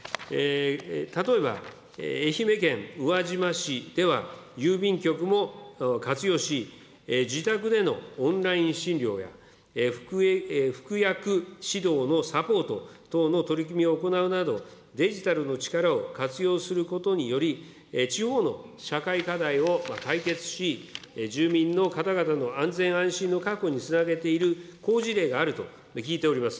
例えば愛媛県宇和島市では、郵便局も活用し、自宅でのオンライン診療や、服薬指導のサポート等の取り組みを行うなど、デジタルの力を活用することにより、地方の社会課題を解決し、住民の方々の安全安心の確保につなげている好事例があると聞いております。